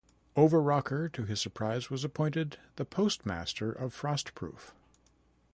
Overocker, to his surprise, was appointed the postmaster of Frostproof.